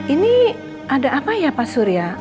ini ada apa ya pak surya